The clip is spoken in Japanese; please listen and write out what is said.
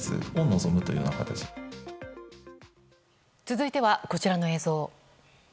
続いては、こちらの映像。